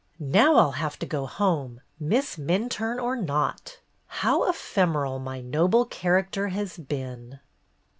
''Now I'll have to go home. Miss Minturne or not ! How ephemeral my Noble Character has been